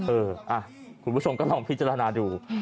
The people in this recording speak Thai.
เออคุณผู้ชมก็ลองพิจารณาดู